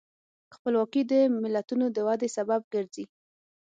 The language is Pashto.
خپلواکي د ملتونو د ودې سبب ګرځي.